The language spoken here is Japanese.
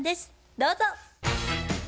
どうぞ！